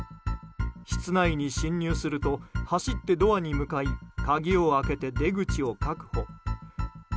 室内に侵入すると走ってドアに向かい鍵を開けて出口を確保。